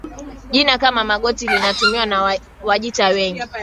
Jina kama Magoti linalotumiwa na Wajita wengi